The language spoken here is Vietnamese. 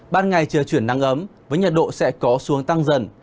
ban ngày trưa chuyển nắng ấm với nhật độ sẽ có xuống tăng dần